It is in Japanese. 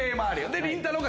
でりんたろー。